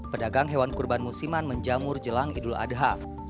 pedagang hewan kurban musiman menjamur jelang idul adha